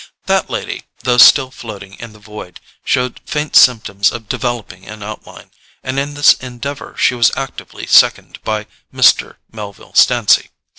That lady, though still floating in the void, showed faint symptoms of developing an outline; and in this endeavour she was actively seconded by Mr. Melville Stancy.